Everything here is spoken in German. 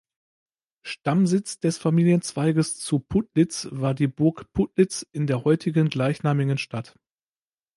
Stammsitz des Familienzweiges zu Putlitz war die Burg Putlitz in der heutigen gleichnamigen Stadt.